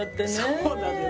そうなのよ。